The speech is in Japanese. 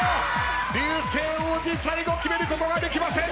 流星王子最後決めることができません！